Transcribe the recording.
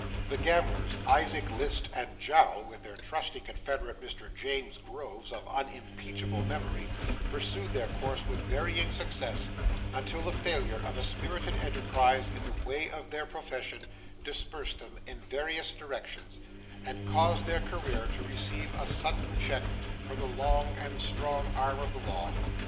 The gamblers, Isaac List and Jowl, with their trusty confederate Mr James Groves of unimpeachable memory, pursued their course with varying success, until the failure of a spirited enterprise in the way of their profession, dispersed them in various directions, and caused their career to receive a sudden check from the long and strong arm of the law.